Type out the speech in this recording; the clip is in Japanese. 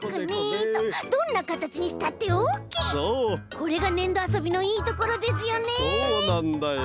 これがねんどあそびのいいところですよね！